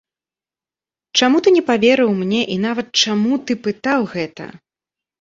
Чаму ты не паверыў мне і нават чаму ты пытаў гэта?